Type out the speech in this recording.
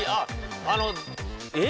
あのえっ？